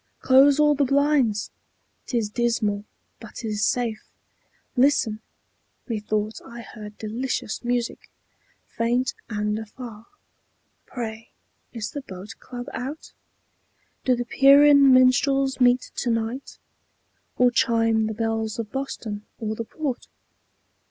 Close all the blinds; 't is dismal, but 't is safe. Listen! Methought I heard delicious music, Faint and afar. Pray, is the Boat Club out? Do the Pierian minstrels meet to night? Or chime the bells of Boston, or the Port?